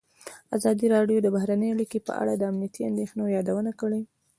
ازادي راډیو د بهرنۍ اړیکې په اړه د امنیتي اندېښنو یادونه کړې.